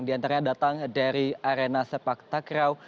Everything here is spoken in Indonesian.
di antaranya datang dari arena sepak takraw